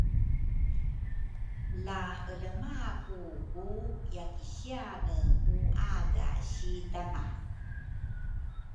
La elema ku ku yakisiane ku aga si damay